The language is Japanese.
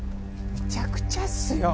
むちゃくちゃっすよ！